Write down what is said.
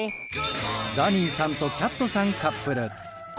ダニーさんとキャットさんカップル。